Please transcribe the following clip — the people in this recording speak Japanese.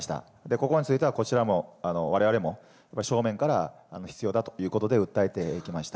ここまでについては、こちらも、われわれも正面から必要だということで、訴えてきました。